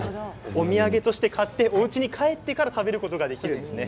お土産で買っておうちに帰ってから食べることができるんですね。